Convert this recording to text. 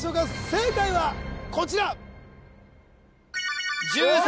正解はこちら１３